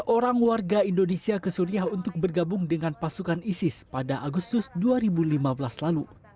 dua puluh orang warga indonesia ke suriah untuk bergabung dengan pasukan isis pada agustus dua ribu lima belas lalu